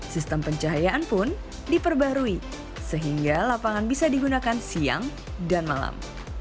sistem pencahayaan pun diperbarui sehingga lapangan bisa digunakan siang dan malam